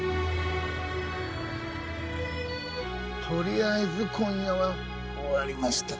「取りあえず今夜は終わりました」